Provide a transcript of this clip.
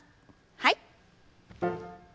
はい。